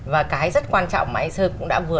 và cái rất quan trọng mà anh sơn cũng đã vừa